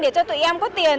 để cho tụi em có tiền